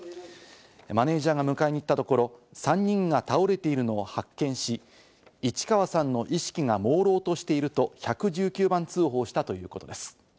マネジャーが迎えに行ったところ、３人が倒れているのを発見し、市川さんの意識がもうろうとしていると、１１９番通報したということです。